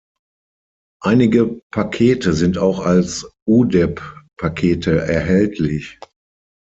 Einige Pakete sind auch als udeb-Pakete erhältlich.